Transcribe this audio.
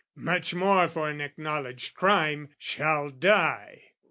Much more for an acknowledged crime, "shall die."